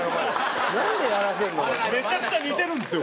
めちゃくちゃ似てるんですよ！